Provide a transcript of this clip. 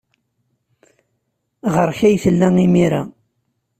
Ɣer-k ay tella imir-a.